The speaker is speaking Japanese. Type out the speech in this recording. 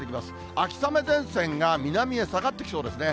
秋雨前線が南へ下がってきそうですね。